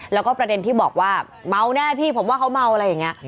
แล้วก็ประเด็นที่บอกว่าเมาแน่พี่ผมว่าเขาเมาอะไรอย่างนี้